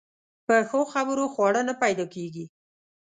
په ښو خبرو خواړه نه پیدا کېږي.